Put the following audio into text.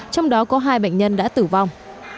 trong đó có hai bệnh nhân đã tử vong